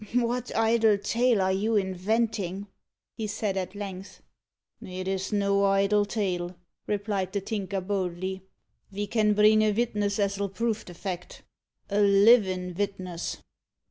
"What idle tale are you inventing?" he said at length. "It is no idle tale," replied the Tinker boldly. "Ve can bring a vitness as'll prove the fact a livin' vitness."